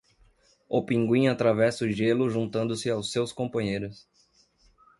O pinguim atravessa o gelo juntando-se aos seus companheiros.